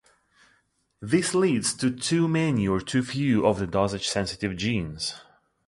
This leads to too many or too few of the dosage sensitive genes.